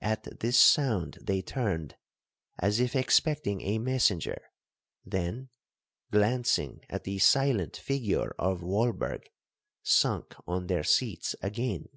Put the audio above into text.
At this sound they turned, as if expecting a messenger, then, glancing at the silent figure of Walberg, sunk on their seats again.